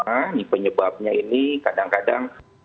nah ini penyebabnya ini kadang kadang